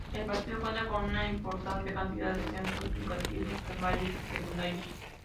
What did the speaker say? El Partido cuenta con una importante cantidad de centros educativos primarios y secundarios.